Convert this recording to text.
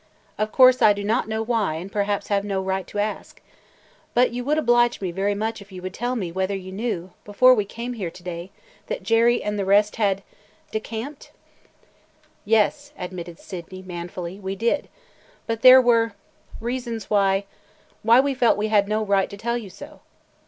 Of course, I do not know why and perhaps have no right to ask. But you would oblige me very much if you would tell me whether you knew, before we came here to day, that Jerry and the rest had – decamped?" "Yes," admitted Sydney manfully, "we did. But there – were – reasons why – why we felt we had no right to tell you so."